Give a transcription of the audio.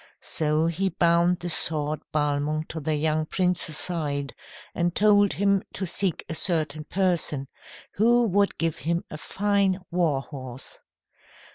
So he bound the sword Balmung to the young prince's side, and told him to seek a certain person, who would give him a fine war horse.